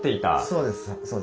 そうです。